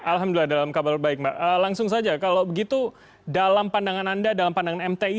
alhamdulillah dalam kabar baik mbak langsung saja kalau begitu dalam pandangan anda dalam pandangan mti